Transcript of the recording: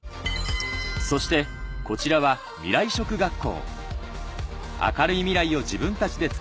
そしてこちらは未来職学校